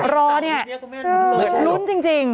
รอเนี่ยลุ้นจริง